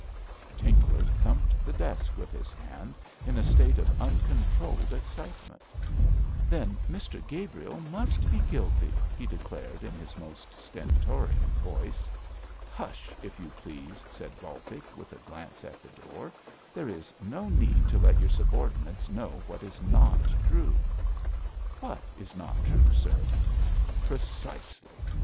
Tinkler thumped the desk with his hand in a state of uncontrolled excitement. 'Then Mr Gabriel must be guilty,' he declared in his most stentorian voice. 'Hush, if you please,' said Baltic, with a glance at the door. 'There is no need to let your subordinates know what is not true.' 'What is not true, sir?' 'Precisely.